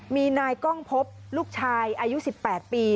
มีนายกล้องพบลูกชายอายุ๑๘ปี